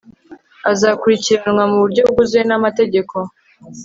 azakurikiranwa mu buryo bwuzuye n'amategeko